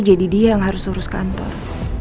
jadi dia yang harus urus kantor